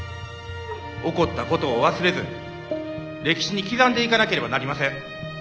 起こったことを忘れず歴史に刻んでいかなければなりません。